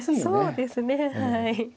そうですねはい。